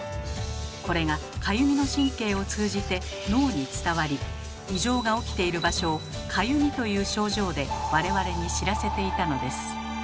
これがかゆみの神経を通じて脳に伝わり異常が起きている場所を「かゆみ」という症状で我々に知らせていたのです。